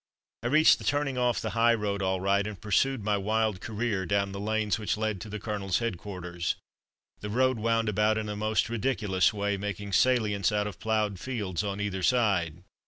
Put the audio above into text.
I reached the turning off the high road all right, and pursued my wild career down the lanes which led to the Colonel's headquarters. The road wound about in a most ridiculous way, making salients out of ploughed fields on either side.